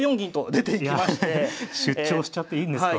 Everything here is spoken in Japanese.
出張しちゃっていいんですか？